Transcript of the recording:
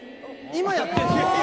今やってるの？